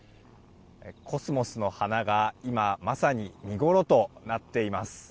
コスモスの花が今まさに見ごろとなっています。